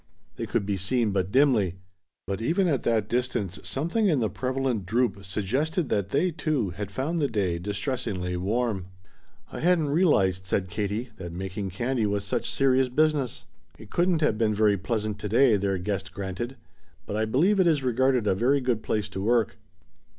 They could be seen but dimly, but even at that distance something in the prevalent droop suggested that they, too, had found the day "distressingly warm." "I hadn't realized," said Katie, "that making candy was such serious business." "It couldn't have been very pleasant today," their guest granted, "but I believe it is regarded a very good place to work."